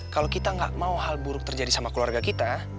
kalau kita nggak mau hal buruk terjadi sama keluarga kita